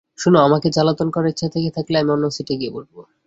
শোনো, আমাকে জ্বালাতন করার ইচ্ছা থেকে থাকলে, আমি অন্য সিটে গিয়ে বসব।